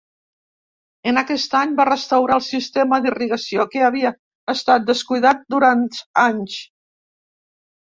En aquest any va restaurar el sistema d'irrigació que havia estat descuidat durant anys.